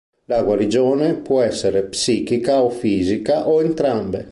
La guarigione può essere psichica o fisica, o entrambe.